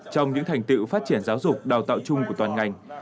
trong những thành tựu phát triển giáo dục đào tạo chung của toàn ngành